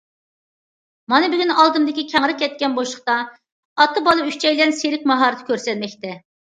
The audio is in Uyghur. مانا بۈگۈن ئالدىمدىكى كەڭرى كەتكەن بوشلۇقتا ئاتا- بالا ئۈچەيلەن سېرك ماھارىتى كۆرسەتمەكتە.